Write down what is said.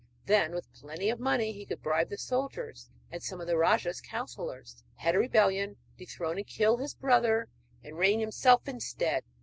Then, with plenty of money, he could bribe the soldiers and some of the rajah's counsellors, head a rebellion, dethrone and kill his brother, and reign himself instead.